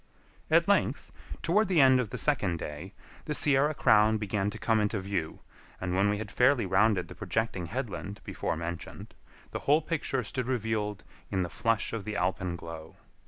At length, toward the end of the second day, the Sierra Crown began to come into view, and when we had fairly rounded the projecting headland before mentioned, the whole picture stood revealed in the flush of the alpenglow.